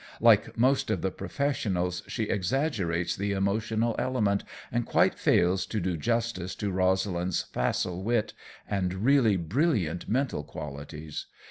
Like most of the professionals, she exaggerates the emotional element and quite fails to do justice to Rosalind's facile wit and really brilliant mental qualities.